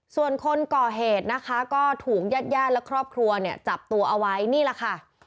ส่วนคนก่อเหตุนะคะก็ถูกญาติญาติและครอบครัวเนี่ยจับตัวเอาไว้นี่แหละค่ะ